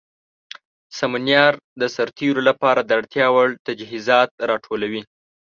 سمونیار د سرتیرو لپاره د اړتیا وړ تجهیزات راټولوي.